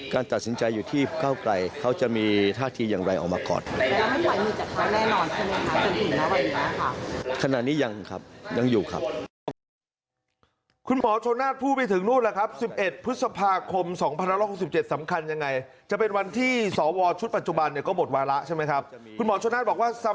ขณะนี้ยังครับยังอยู่ครับ